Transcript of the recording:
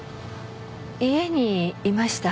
家にいました。